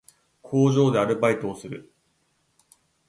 工場でアルバイトをする